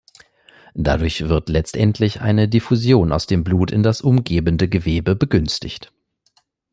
Dadurch wird letztendlich eine Diffusion aus dem Blut in das umgebende Gewebe begünstigt.